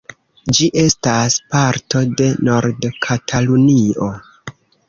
Ĝi estas parto de Nord-Katalunio.